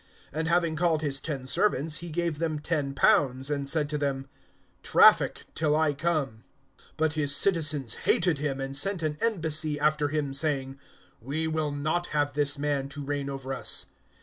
(13)And having called his ten servants, he gave them ten pounds, and said to them: Traffic, till I come. (14)But his citizens hated him, and sent an embassy after him, saying: We will not have this man to reign over us.